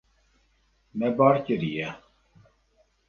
Me bar kiriye.